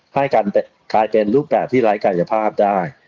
ให้การกลายเป็นรูปแบบที่ไร้กายภาพได้